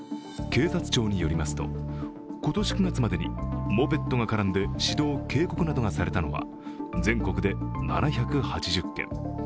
警察庁によりますと、今年９月までにモペットが絡んで指導・警告などがされたのは全国で７８０件。